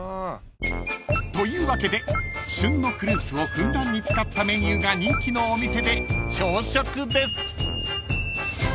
［というわけで旬のフルーツをふんだんに使ったメニューが人気のお店で朝食です］